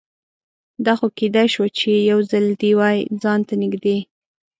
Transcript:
دا خو کیدای شوه چې یوځلې دې وای ځان ته نږدې